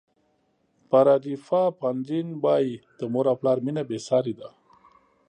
پاردیفا پاندین وایي د مور او پلار مینه بې سارې ده.